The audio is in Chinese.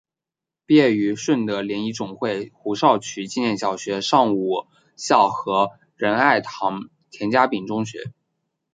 毕业于顺德联谊总会胡少渠纪念小学上午校和仁爱堂田家炳中学。